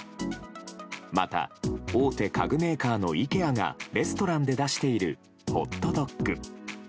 また、大手家具メーカーのイケアがレストランで出しているホットドッグ。